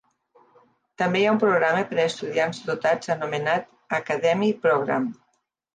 També hi ha un programa per a estudiants dotats anomenat "Academy Program".